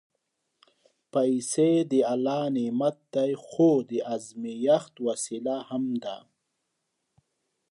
پېسې د الله نعمت دی، خو د ازمېښت وسیله هم ده.